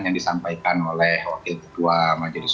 yang disampaikan oleh wakil ketua majelis